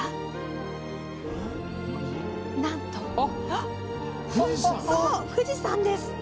なんと富士山です。